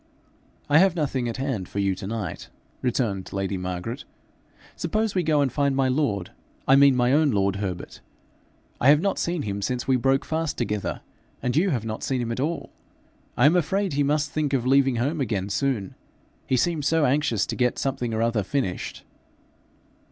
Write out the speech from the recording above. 'I have nothing at hand for you to night,' returned lady Margaret. 'Suppose we go and find my lord; I mean my own lord Herbert. I have not seen him since we broke fast together, and you have not seen him at all. I am afraid he must think of leaving home again soon, he seems so anxious to get something or other finished.'